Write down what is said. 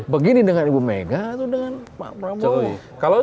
begini dengan ibu mega atau dengan pak prabowo